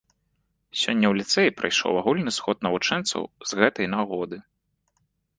Сёння ў ліцэі прайшоў агульны сход навучэнцаў з гэтай нагоды.